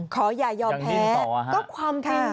ขออย่ายอมแพ้ยังยื่นต่อค่ะ